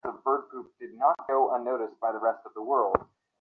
একটা বাচ্চা ছেলে ট্রেনের লাইনের উপর কিছু একটা খুঁজে পেয়েছে।